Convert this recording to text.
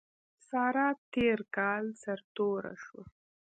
سارا تېر کال سر توره شوه.